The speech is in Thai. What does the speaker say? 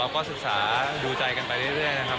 ก็ศึกษาดูใจกันไปเรื่อยนะครับ